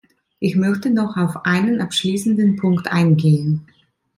Ich möchte noch auf einen abschließenden Punkt eingehen.